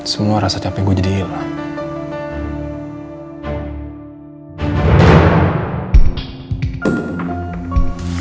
semua rasa capek gue jadi hilang